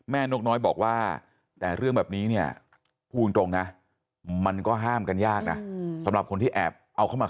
แม่นกน้อยบอกว่า